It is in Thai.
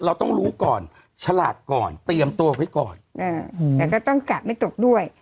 เราต้องรู้ก่อนฉลาดก่อนเตรียมตัวไว้ก่อนแต่ก็ต้องกัดไม่ตกด้วย